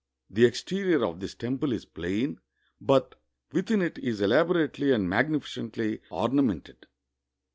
The exterior of this temple is plain, but within it is elabo rately and magnificently ornamented.